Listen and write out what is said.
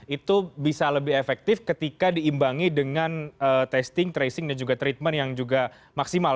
itu bisa lebih efektif ketika diimbangi dengan testing tracing dan juga treatment yang juga maksimal